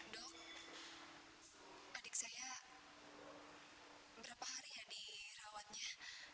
dok adik saya berapa hari ya dirawatnya